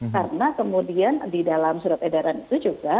karena kemudian di dalam surat edaran itu juga